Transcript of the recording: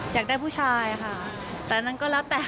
อยากได้ผู้ชายค่ะแต่อันนั้นก็แล้วแต่